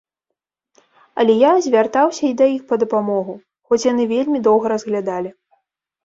Але я звяртаўся і да іх па дапамогу, хоць яны вельмі доўга разглядалі.